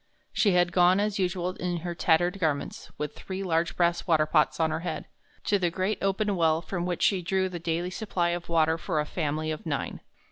She had gone, as usual, in her tattered garments, with three large brass water pots on her head, to the great open well from which she drew the daily supply of water for a family of nine.